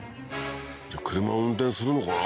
じゃあ車運転するのかな？